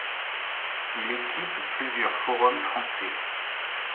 Il équipe plusieurs forums français.